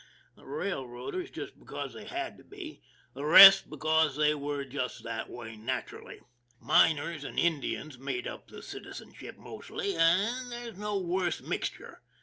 The railroaders because they had to be; the rest because they were just that way naturally. Miners and Indians made up the citizenship mostly, and there's no worse mixture.